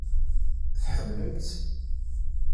Tḥemmlemt-tt?